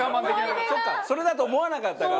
そっかそれだと思わなかったから。